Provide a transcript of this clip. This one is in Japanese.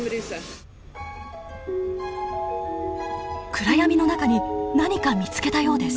暗闇の中に何か見つけたようです。